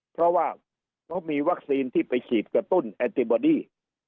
เพราะว่าเขามีวัคซีนที่ไปฉีดกระตุ้นแอนติบอดี้